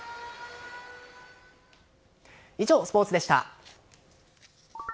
以上、スポーツでした。